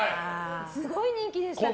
すごい人気でしたから。